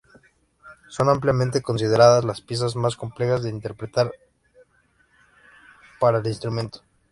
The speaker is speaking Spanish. Son ampliamente consideradas las piezas más complejas de interpretar para el instrumento.